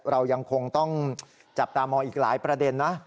เรายังคงต้องจับตามองอีกหลายประเด็นนะ